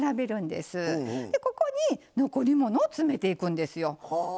でここに残り物を詰めていくんですよ。